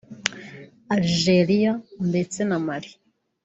Algeria ndetse na Mali